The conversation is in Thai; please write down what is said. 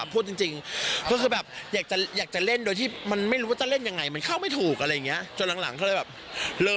พูดจริงก็คือแบบอยากจะเล่นโดยที่มันไม่รู้ว่าจะเล่นอย่างไร